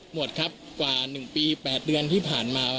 หมดครับกว่า๑ปี๘เดือนที่ผ่านมา